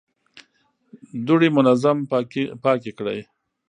دوړې منظم پاکې کړئ.